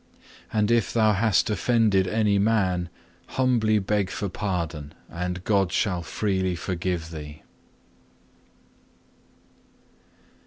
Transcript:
And if thou hast offended any man, humbly beg for pardon, and God shall freely forgive thee.